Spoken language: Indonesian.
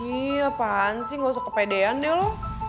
ih apaan sih gak usah kepedean deh lo